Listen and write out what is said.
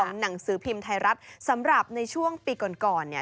หนังสือพิมพ์ไทยรัฐสำหรับในช่วงปีก่อนก่อนเนี่ย